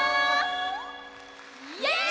イエイ！